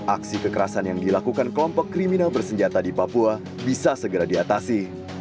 aksi kekerasan yang dilakukan kelompok kriminal bersenjata di papua bisa segera diatasi